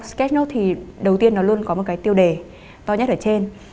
sketch note thì đầu tiên nó luôn có một cái tiêu đề to nhất ở trên